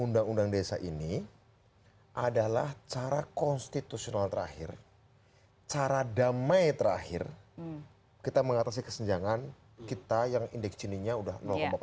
undang undang desa ini adalah cara konstitusional terakhir cara damai terakhir kita mengatasi kesenjangan kita yang indeks gininya udah empat